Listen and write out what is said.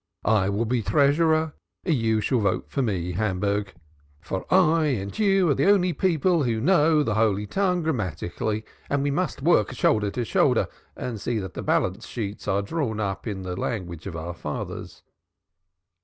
I will be treasurer, you shall vote for me, Hamburg, for I and you are the only two people who know the Holy Tongue grammatically, and we must work shoulder to shoulder and see that the balance sheets are drawn up in the language of our fathers."